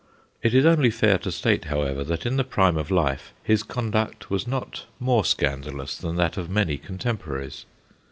It is only fair to state, however, that in the prime of life his conduct was not more scandalous than that of many contem poraries.